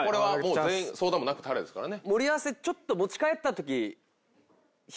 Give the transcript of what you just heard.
相談もなくタレですからね。